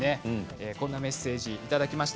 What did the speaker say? こんなメッセージをいただきました。